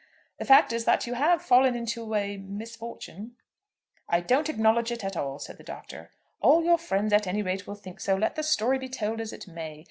"The fact is that you have fallen into a misfortune." "I don't acknowledge it at all," said the Doctor. "All your friends at any rate will think so, let the story be told as it may.